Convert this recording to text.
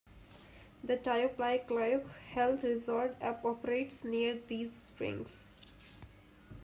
The Tyoply Klyuch Health Resort operates near these springs.